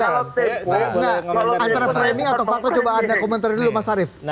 antara framing atau faktor coba anda komentari dulu mas arief